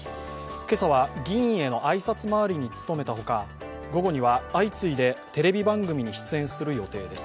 今朝は議員への挨拶回りに努めたほか午後には相次いでテレビ番組に出演する予定です。